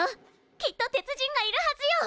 きっと鉄人がいるはずよ！